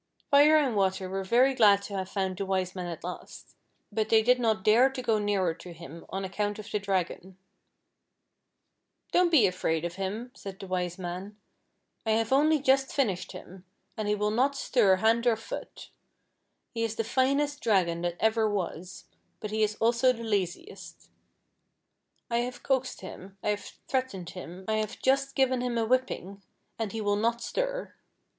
Fire and Water were very glad to have found the Wise Man at last ; but they did not dare to go nearer to him on account of the Dragon. " Don't be afraid of him," said the Wise Man ;" I have only just finished him, and he will not stir hand or foot. He is the finest Dragon that ever was, but he is also the laziest. I have coaxed him, I have threatened him, I have just given him a whipping, and he will not stir.